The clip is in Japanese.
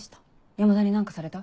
山田に何かされた？